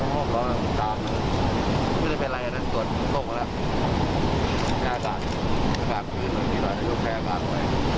อากาศคืนหนึ่งดีกว่านายยกแพ้อากาศไว้